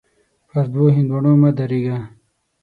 پر دوو هندوانو مه درېږه.